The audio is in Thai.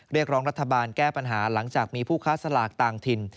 เรียกร้องรัฐบาลแก้ปัญหาหลังจากมีผู้ค้าสลากต่างถิ่น